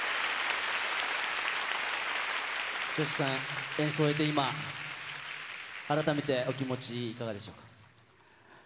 ＹＯＳＨＩＫＩさん、演奏終えて今、改めてお気持ちいかがでしょうか。